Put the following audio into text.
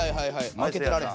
負けてられへん。